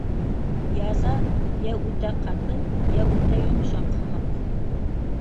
Яза йә үтә ҡаты, йә үтә йомшаҡ һымаҡ.